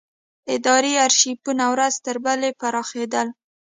اداري ارشیفونه ورځ تر بلې پراخېدل.